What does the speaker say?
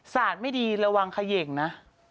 สาดไม่ดีระวังเขย่งนะ